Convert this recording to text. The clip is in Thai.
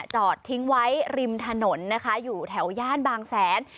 จอดทิ้งไว้ริมถนนนะคะอยู่แถวย่านบางแสน